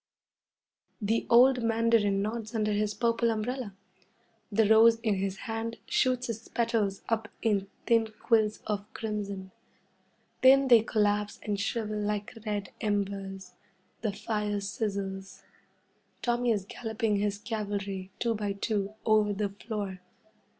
The old mandarin nods under his purple umbrella. The rose in his hand shoots its petals up in thin quills of crimson. Then they collapse and shrivel like red embers. The fire sizzles. Tommy is galloping his cavalry, two by two, over the floor.